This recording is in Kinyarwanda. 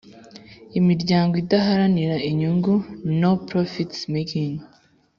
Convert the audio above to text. Imiryango idaharanira inyungu Non profit making